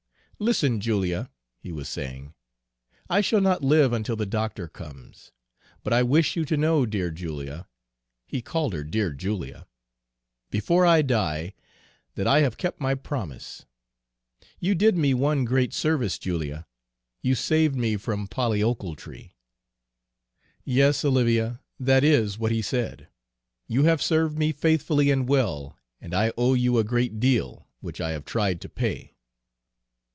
"'Listen, Julia,' he was saying. 'I shall not live until the doctor comes. But I wish you to know, dear Julia!' he called her 'dear Julia!' 'before I die, that I have kept my promise. You did me one great service, Julia, you saved me from Polly Ochiltree!' Yes, Olivia, that is what he said! 'You have served me faithfully and well, and I owe you a great deal, which I have tried to pay.'